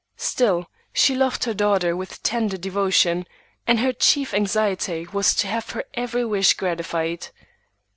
Still, she loved her daughter with tender devotion, and her chief anxiety was to have her every wish gratified.